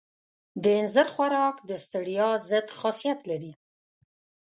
د اینځر خوراک د ستړیا ضد خاصیت لري.